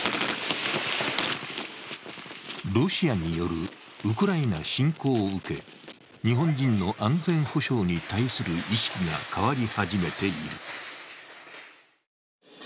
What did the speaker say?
ロシアによるウクライナ侵攻を受け、日本人の安全保障に対する意識が変わり始めている。